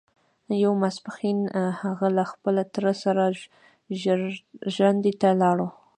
يو ماسپښين هغه له خپل تره سره ژرندې ته لاړ.